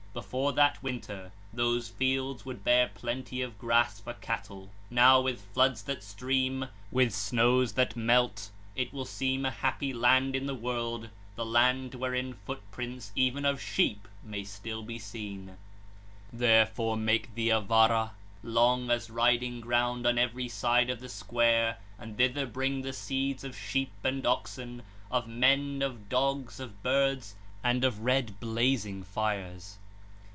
24 (57). Before that winter, those fields would bear plenty of grass for cattle: now with floods that stream, with snows that melt, it will seem a happy land in the world, the land wherein footprints even of sheep may still be seen 3. 25 (61). Therefore make thee a Vara 4, long as a p. 17 riding ground on every side of the square 1, and thither bring the seeds of sheep and oxen, of men, of dogs, of birds, and of red blazing fires.